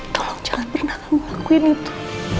tolong jangan pindah kamu lakuin itu